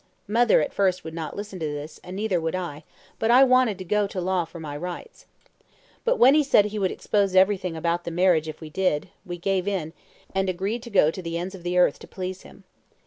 Mother, at first, would not listen to this, and neither would I; but wanted to go to law for my rights. But when he said he would expose everything about the marriage if we did, we gave in, and agreed to go to the ends of the earth to please him.